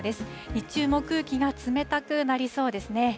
日中も空気が冷たくなりそうですね。